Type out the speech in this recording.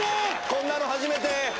こんなの初めて！